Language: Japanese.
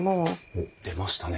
おっ出ましたね。